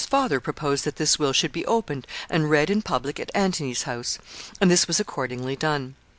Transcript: Calpurnia's father proposed that this will should be opened and read in public at Antony's house; and this was accordingly done.